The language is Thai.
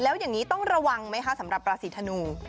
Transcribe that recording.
แล้วอย่างนี้ต้องระวังไหมคะสำหรับราศีธนู